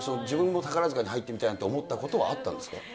自分も宝塚に入ってみたいなと思ったことはあったんですか。